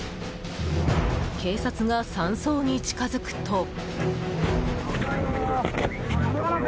警察が山荘に近づくと。